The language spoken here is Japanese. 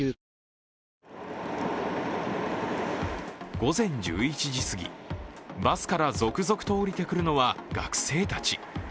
午前１１時すぎ、バスから続々と降りてくるのは学生たち。